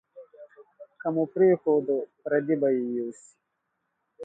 که مو پرېښوده، پردي به یې یوسي.